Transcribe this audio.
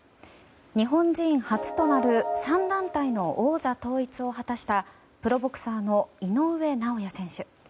日本人初となる３団体の王座統一を果たしたプロボクサーの井上尚弥選手。